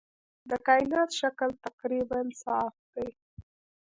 د کائنات شکل تقریباً صاف دی.